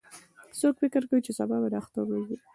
څوک فکر کوي چې سبا به د اختر ورځ وي